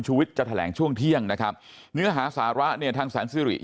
วิทย์จะแถลงช่วงเที่ยงนะครับเนื้อหาสาระเนี่ยทางแสนสิริ